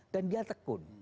dan dia tekun